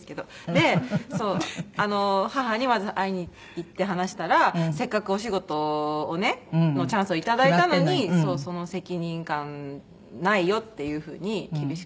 で母にまず会いに行って話したら「せっかくお仕事のチャンスをいただいたのにその責任感ないよ」っていう風に厳しく言われました。